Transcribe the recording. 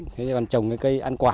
thế còn trồng cây ăn quả